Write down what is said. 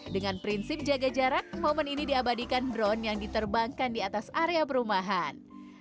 dengan prinsip jaga jarak momen ini diabadikan drone yang diterbangkan di atas area perumahan